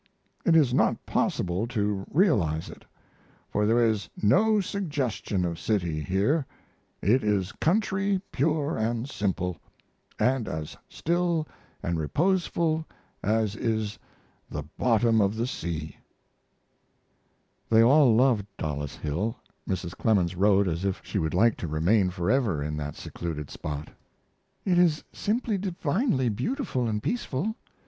It is not possible to realize it. For there is no suggestion of city here; it is country, pure & simple, & as still & reposeful as is the bottom of the sea. They all loved Dollis Hill. Mrs. Clemens wrote as if she would like to remain forever in that secluded spot. It is simply divinely beautiful & peaceful